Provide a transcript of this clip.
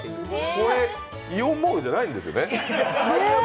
これ、イオンモールじゃないんですよね？